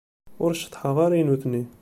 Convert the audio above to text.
Ur ceṭṭḥeɣ ara i nutni.